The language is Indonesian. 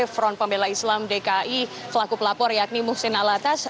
front pembela islam dki selaku pelapor yakni muhsin alatas